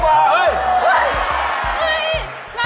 แพงกว่า